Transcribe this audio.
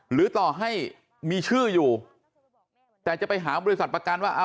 หรือต่อให้มีชื่ออยู่แต่จะไปหาบริษัทประกันว่า